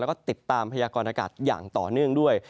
แล้วก็ติดตามพยากรณากาศอย่างต่อเนื่องด้วย